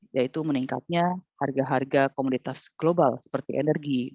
yaitu meningkatnya harga harga komoditas global seperti energi